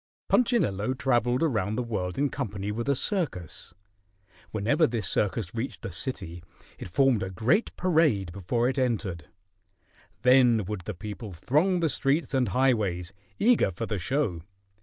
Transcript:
Punchinello traveled around the world in company with a circus. Whenever this circus reached a city, it formed a great parade before it entered. Then would the people throng the streets and highways, eager for the show.